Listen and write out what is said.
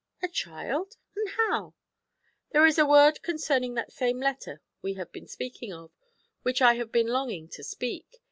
'A child, and how?' 'There is a word concerning that same letter we have been speaking of, which I have been longing to speak.